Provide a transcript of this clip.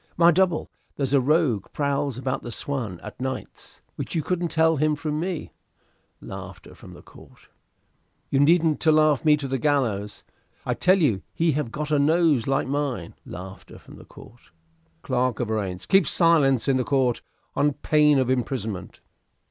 "My double. There's a rogue prowls about the 'Swan' at nights, which you couldn't tell him from me. You needn't to laugh me to the gallows. I tell ye he have got a nose like mine." Clerk of Arraigns. Keep silence in the court, on pain of imprisonment.